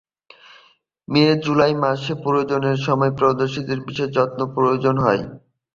মে-জুলাই মাসে প্রজননের সময় দর্শনার্থীদের বিশেষ যত্নের প্রয়োজন হয়।